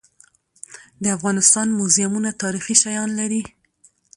د افغانستان موزیمونه تاریخي شیان لري.